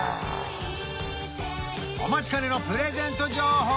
お待ちかねのプレゼント情報！